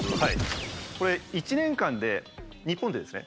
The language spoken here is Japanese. これ１年間で日本でですね